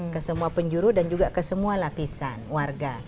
ke semua penjuru dan juga ke semua lapisan warga